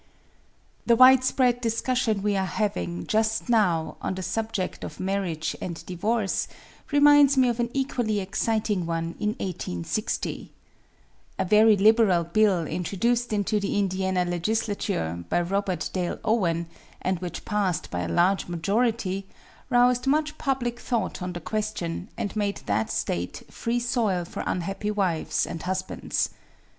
The widespread discussion we are having, just now, on the subject of marriage and divorce, reminds me of an equally exciting one in 1860. A very liberal bill, introduced into the Indiana legislature by Robert Dale Owen, and which passed by a large majority, roused much public thought on the question, and made that State free soil for unhappy wives and husbands.